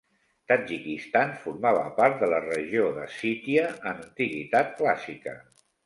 Tadjikistan formava part de la regió d'Escítia en Antiguitat Clàssica.